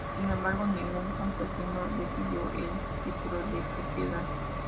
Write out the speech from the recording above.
Sin embargo, ningún campesino recibió el título de propiedad.